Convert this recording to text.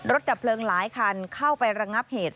ดับเพลิงหลายคันเข้าไประงับเหตุ